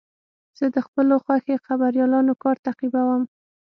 زه د خپلو خوښې خبریالانو کار تعقیبوم.